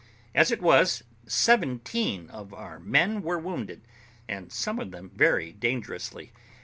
As it was, seventeen of our men were wounded, and some of them very dangerously.